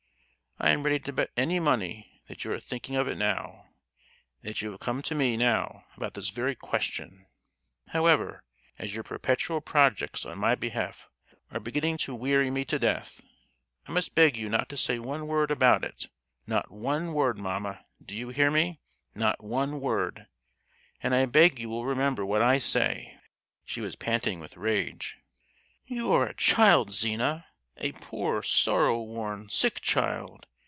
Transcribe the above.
I am ready to bet any money that you are thinking of it now, and that you have come to me now about this very question! However, as your perpetual projects on my behalf are beginning to weary me to death, I must beg you not to say one word about it, not one word, mamma; do you hear me? not one word; and I beg you will remember what I say!" She was panting with rage. "You are a child, Zina; a poor sorrow worn, sick child!"